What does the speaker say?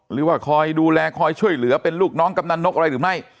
หรือว่าคอยดูแลคอยช่วยเหลือเป็นลูกน้องกำนันนกอะไรหรือไม่